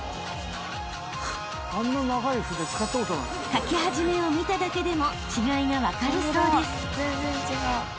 ［書き始めを見ただけでも違いが分かるそうです］